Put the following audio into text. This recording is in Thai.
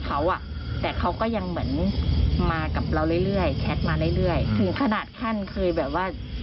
คือความกลัวของเราอะเราก็กลัว